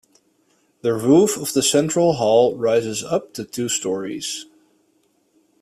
The roof of the central hall rises up to two storeys.